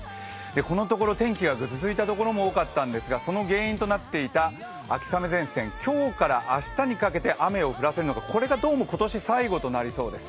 このところ、天気がぐずついたところも多かったんですが、その原因となっていた秋雨前線、今日から、明日にかけて、雨を降らせるのがこれがどうも今年最後となりそうです。